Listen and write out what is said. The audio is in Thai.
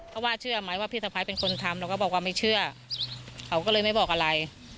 เพราะว่าเชื่อไหมว่าพี่สะพ้ายเป็นคนทำเราก็บอกว่าไม่เชื่อเขาก็เลยไม่บอกอะไร